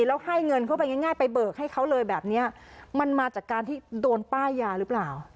แล้วให้เงินเข้าไปง่ายไปเบิกให้เขาเลยแบบเนี้ยมันมาจากการที่โดนป้ายยาหรือเปล่า